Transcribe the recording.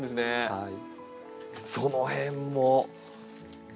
はい。